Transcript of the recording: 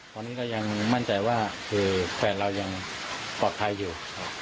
ตอนนี้ก็ยังมั่นใจว่าคือแฟนเรายังปลอดภัยอยู่